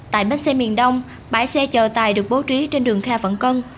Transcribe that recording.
tại bến xe miền đông bãi xe chờ tài được bố trí trên đường khe phận cân